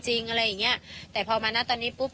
อะไรอย่างเงี้ยแต่พอมานะตอนนี้ปุ๊บ